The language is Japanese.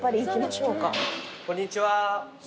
こんにちは。